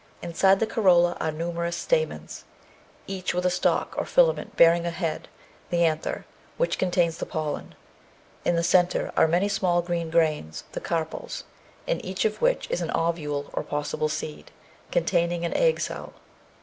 Inside the corolla are numerous stamens, each with a stalk or filament bearing a head, the anther, which contains the pollen. In the centre are many small green grains, the carpels, in each of which is an ovule or possible seed, containing an egg cell.